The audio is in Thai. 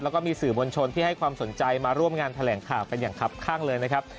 แล้วก็มีสื่อมวลชนที่ให้ความสนใจมาร่วมงานแถลงข่าวกันอย่างคับข้างเลยนะครับ